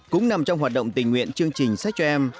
cũng nằm trong hoạt động tình nguyện chương trình sách cho em